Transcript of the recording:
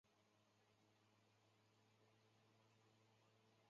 三反五反时期曾经也是运动对象。